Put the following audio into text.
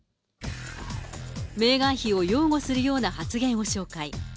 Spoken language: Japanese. メーガン妃を擁護するような発言を紹介。